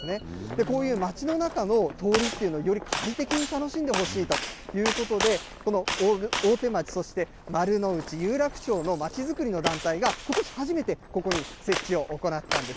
こういう街の中の通りっていうの、快適に楽しんでほしいということで、大手町、そして丸の内、有楽町のまちづくりの団体がことし初めて、ここに設置を行ったんです。